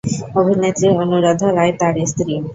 অভিনেত্রী অনুরাধা রায় তার স্ত্রী।